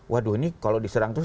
waduh ini kalau diserang terus